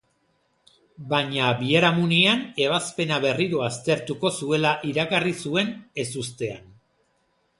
Baina biharamunean ebazpena berriro aztertuko zuela iragarri zuen, ezustean.